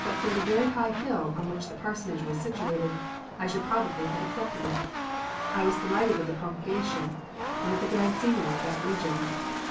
But for the very high hill on which the parsonage was situated I should probably have accepted. I was delighted with the congregation, and with the grand scenery of that region.